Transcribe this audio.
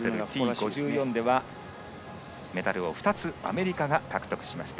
５４ではメダルを２つアメリカが獲得しました。